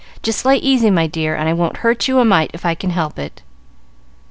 Just lay easy, my dear, and I won't hurt you a mite if I can help it."